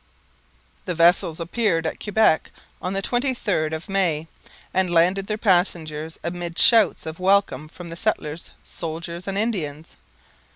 The vessels appeared at Quebec on the 23rd of May, and landed their passengers amid shouts of welcome from the settlers, soldiers, and Indians.